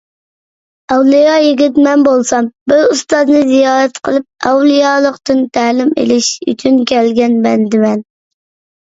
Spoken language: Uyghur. ئەۋلىيا يىگىت، مەن بولسام پىر ئۇستازنى زىيارەت قىلىپ ئەۋلىيالىقتىن تەلىم ئېلىش ئۈچۈن كەلگەن بەندىمەن.